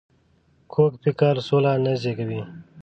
کوږ فکر سوله نه زېږوي